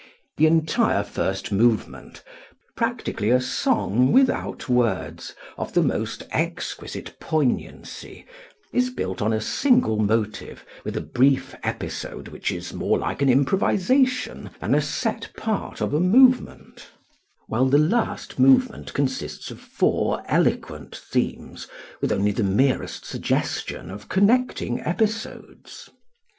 The entire first movement, practically a song without words of the most exquisite poignancy, is built on a single motive with a brief episode which is more like an improvisation than a set part of a movement; while the last movement consists of four eloquent themes with only the merest suggestion of connecting episodes.